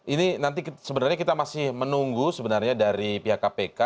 ini nanti sebenarnya kita masih menunggu sebenarnya dari pihak kpk